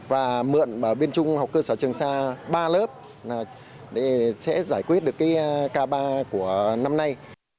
và mượn ở bên trung học cơ sở trường xa ba lớp để sẽ giải quyết được cái k ba của năm nay